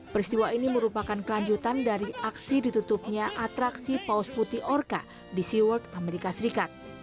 peristiwa ini merupakan kelanjutan dari aksi ditutupnya atraksi paus putih orka di seaworld amerika serikat